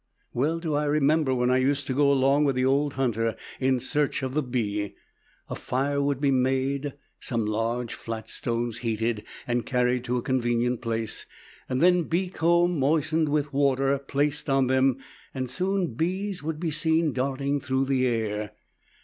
Well do I remember when I used to go along with the old hunter in search of the bee. A fire would be made, some large fiat stones heated and carried to a convenient place, then bee comb moistened with water, placed on them and soon bees would be seen darting through the air.